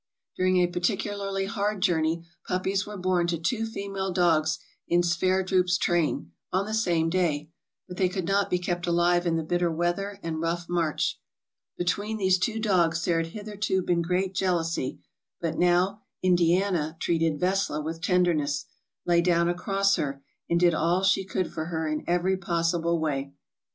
During a particularly hard journey puppies were born to two female dogs in Sverdrup's train, on the same day, but they could not be kept alive in the bitter weather and rough march. " Between these two dogs there had hitherto been great jealousy, but now 'Indiana' treated 'Vesla' with tenderness, lay down across her, and did all she could for her in every pos sible way.